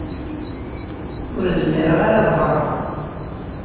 Ur zmireɣ ara ad ɣṛeɣ.